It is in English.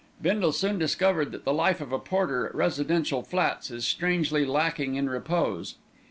Bindle soon discovered that the life of a porter at residential flats is strangely lacking in repose.